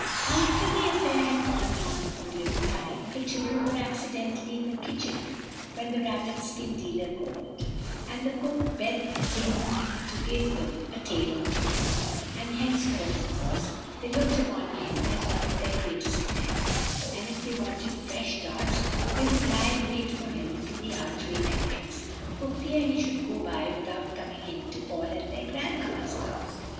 "After the affair had gone on for a little time, the children were accidentally in the kitchen when the rabbit skin dealer called, and the cook begged him to give them a tail or two; and thenceforth, of course, they looked upon him as one of their greatest friends; and if they wanted fresh Tods, they would lie in wait for him in the archway entrance, for fear he should go by without coming in to call at their grandmamma's house.